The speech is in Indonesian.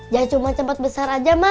jangan cuma cepat besar aja ma